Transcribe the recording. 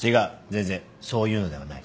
全然そういうのではない。